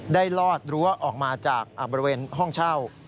ลอดรั้วออกมาจากบริเวณห้องเช่า